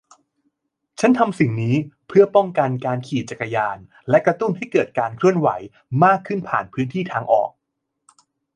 ฉันทำสิ่งนี้เพื่อป้องกันการขี่จักรยานและกระตุ้นให้เกิดการเคลื่อนไหวมากขึ้นผ่านพื้นที่ทางออก